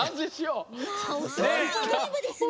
おそろしいゲームですね